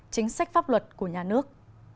chính sách pháp luật của nhà nước